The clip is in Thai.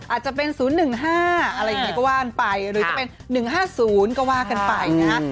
อาจจะเป็น๐๑๕อะไรอย่างนี้ก็ว่ากันไปหรือจะเป็น๑๕๐ก็ว่ากันไปนะฮะ